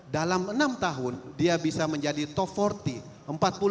dalam enam tahun dia bisa menjadi top empat puluh empat